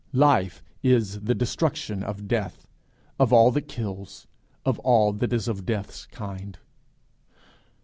Life is the destruction of death, of all that kills, of all that is of death's kind.